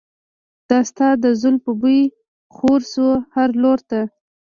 د ستا د زلفو بوی خور شو هر لور ته.